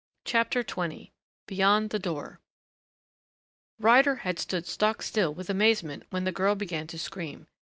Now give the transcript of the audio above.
CHAPTER XX BEYOND THE DOOR Ryder had stood stock still with amazement when the girl began to scream.